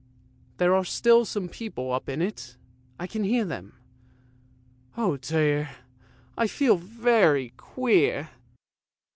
There are still some people up in it, I can hear them. O dear, I feel very queer!